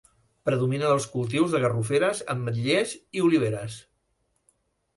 Predominen els cultius de garroferes, ametllers i oliveres.